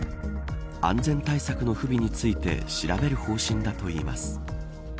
安全対策の不備について調べる方針だといいます。